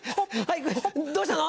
どうしたの？